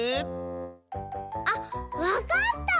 あっわかった！